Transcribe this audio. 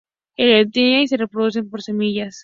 Heliconia y se reproduce por semillas.